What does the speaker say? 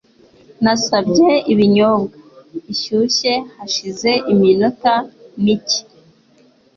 Nasabye ibinyobwa bishyushye hashize iminota mike. (